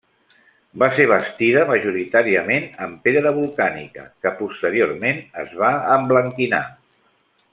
Va ser bastida majoritàriament amb pedra volcànica, que posteriorment es va emblanquinar.